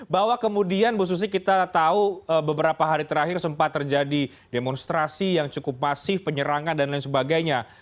bahwa kemudian bu susi kita tahu beberapa hari terakhir sempat terjadi demonstrasi yang cukup masif penyerangan dan lain sebagainya